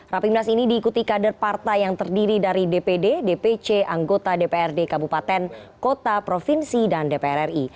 rapimnas ini diikuti kader partai yang terdiri dari dpd dpc anggota dprd kabupaten kota provinsi dan dpr ri